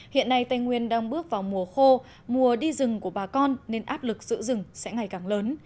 hiện nay tây nguyên đang bước vào mùa khô mùa đi rừng của bà con nên áp lực giữ rừng sẽ ngày càng lớn